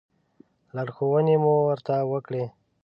لارښوونې مو ورته وکړې.